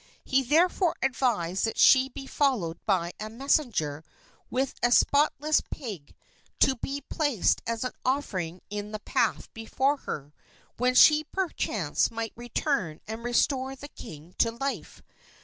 He therefore advised that she be followed by a messenger with a spotless pig to be placed as an offering in the path before her, when she perchance might return and restore the king to life.